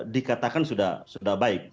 dikatakan sudah baik